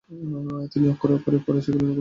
তিনি অক্ষরে অক্ষরে পড়ে সেগুলো নকল করেছেন ।